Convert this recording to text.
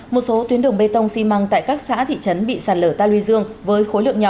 một số tuyến đồng bê tông xi măng tại các xã thị trấn bị sàn lở ta lươi dương với khối lượng nhỏ